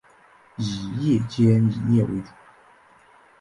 以夜间营业为主。